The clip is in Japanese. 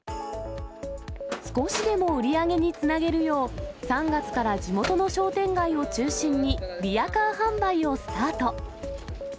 少しでも売り上げにつなげるよう、３月から地元の商店街を中心にリヤカー販売をスタート。